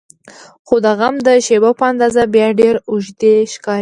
خو د غم د شیبو په اندازه بیا ډېر اوږد ښکاري.